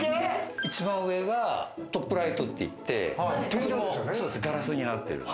一番上がトップライトと言って、ガラスになってる。